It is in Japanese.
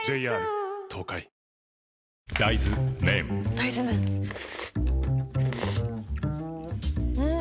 大豆麺ん？